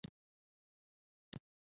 دوی هم حقوق لري